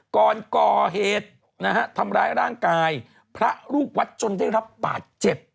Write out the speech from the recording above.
ก่อนก่อเหตุนะฮะทำร้ายร่างกายพระลูกวัดจนได้รับบาดเจ็บ